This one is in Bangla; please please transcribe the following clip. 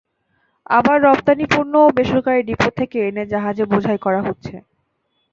আবার রপ্তানি পণ্যও বেসরকারি ডিপো থেকে এনে জাহাজে বোঝাই করা হচ্ছে।